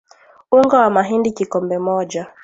Unga wa mahindi kikombe moja